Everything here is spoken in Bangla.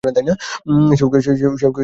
সে-ও কি এইভাবে মারা যায়?